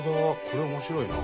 これ面白いな。